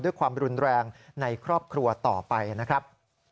ด้วยความรุนแรงในครอบครัวต่อไปนะครับ